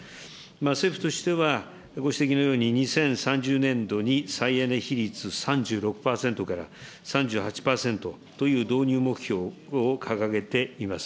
政府としては、ご指摘のように２０３０年度に再エネ比率３６％から３８％という導入目標を掲げています。